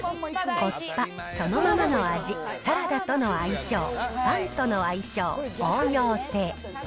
コスパ、そのままの味、サラダとの相性、パンとの相性、応用性。